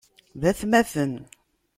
D atmaten.